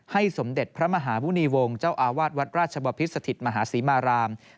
สมเด็จพระมหามุณีวงศ์เจ้าอาวาสวัดราชบพิษสถิตมหาศรีมาราม